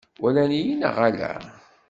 Walan-iyi neɣ ala?